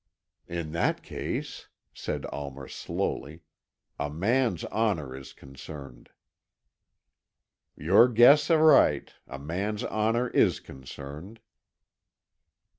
"In that case," said Almer slowly, "a man's honour is concerned." "You guess aright a man's honour is concerned."